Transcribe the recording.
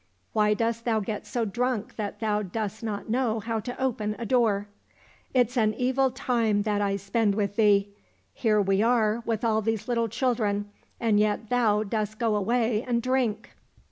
Why dost thou get so drunk that thou dost not know how to open a door ? It's an evil time that I spend with thee. Here we are with all these little children, and yet thou dost go away and drink."